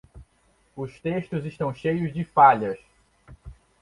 Os textos estão cheios de falhas.